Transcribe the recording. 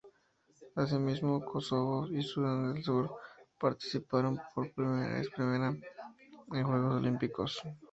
Asimismo, Kosovo y Sudán del Sur participaron por vez primera en unos Juegos Olímpicos.